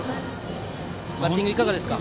バッティング、いかがですか。